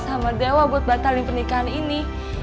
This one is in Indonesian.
sama dewa buat batalin pernikahan ini